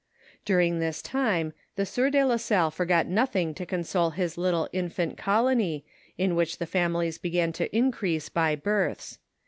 During this time, the sieur de la Salle forgot nothing to console his little infant colony, in which the families began to increase by births.